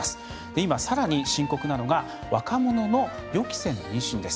今、さらに深刻なのが若者の予期せぬ妊娠です。